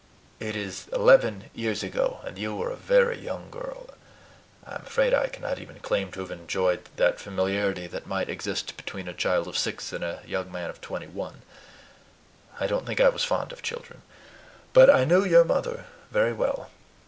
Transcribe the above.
It is eleven years ago, and you were a very little girl. I am afraid I cannot even claim to have enjoyed that familiarity that might exist between a child of six and a young man of twenty one. I don't think I was fond of children. But I knew your mother very well.